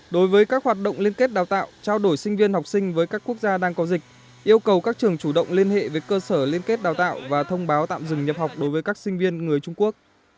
đối với các hoạt động liên kết đào tạo trao đổi sinh viên học sinh với các quốc gia đang có dịch yêu cầu các trường chủ động liên hệ với cơ sở liên kết đào tạo và thông báo tạm dừng nhập học đối với các sinh viên người trung quốc